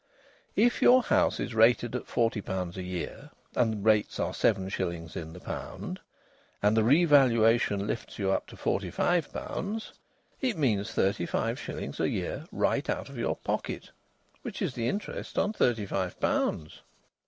If your house is rated at forty pounds a year, and rates are seven shillings in the pound, and the revaluation lifts you up to forty five pounds, it means thirty five shillings a year right out of your pocket, which is the interest on thirty five pounds.